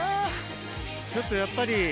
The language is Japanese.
ちょっとやっぱり。